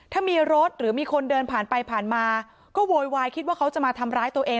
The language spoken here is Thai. ถ้ามีรถหรือมีคนเดินผ่านไปผ่านมาก็โวยวายคิดว่าเขาจะมาทำร้ายตัวเอง